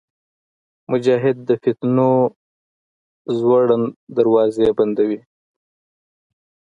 مجاهد د فتنو زوړند دروازې بندوي.